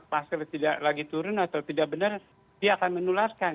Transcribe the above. masker tidak lagi turun atau tidak benar dia akan menularkan